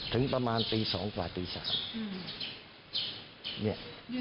ถึงประมาณตี๒กว่าตี๓